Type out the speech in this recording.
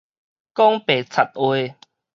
講白賊話